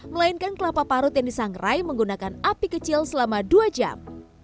melainkan kelapa parut yang disangrai menggunakan api kecil selama dua jam